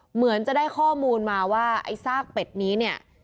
เหมือนจะได้ข้อมูลมาว่าไอ้ซากเป็ดนี้เนี่ย